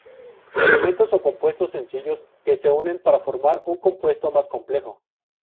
Elementos o compuestos sencillos que se unen para formar un compuesto más complejo.